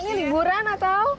ini liburan atau